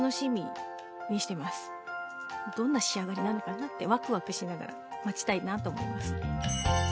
どんな仕上がりなのかなってわくわくしながら待ちたいなと思います。